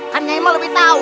kan nyai mau lebih tau